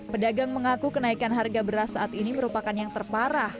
pedagang mengaku kenaikan harga beras saat ini merupakan yang terparah